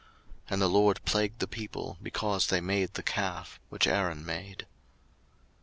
02:032:035 And the LORD plagued the people, because they made the calf, which Aaron made.